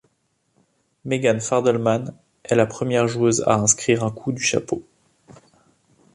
Meghan Fardelmann est la première joueuse à inscrire un coup du chapeau.